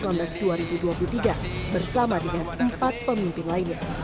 pada bersama dengan empat pemimpin lainnya